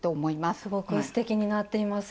すごくすてきになっています。